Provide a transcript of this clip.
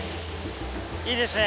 いいですね。